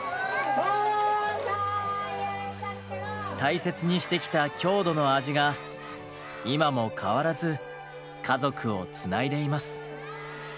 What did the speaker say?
大切にしてきた郷土の味が今も変わらず家族をつないでいます。